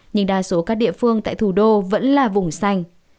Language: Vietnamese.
nhưng đa số các địa phương tại thủ đô vẫn là vùng xanh